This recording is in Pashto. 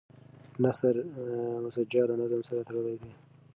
نثر مسجع له نظم سره تړلی دی.